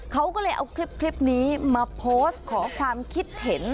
เขาก็เลยเอาคลิปนี้มาโพสต์ขอความคิดเห็น